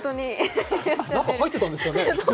中、入っていたんですかね？